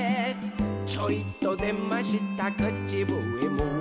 「ちょいとでましたくちぶえも」